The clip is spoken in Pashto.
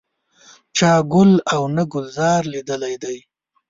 چا ګل او نه ګلزار لیدلی دی.